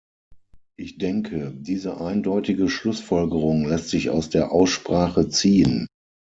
Ich denke, diese eindeutige Schlussfolgerung lässt sich aus der Aussprache ziehen.